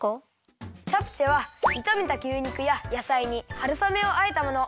チャプチェはいためた牛肉ややさいにはるさめをあえたもの。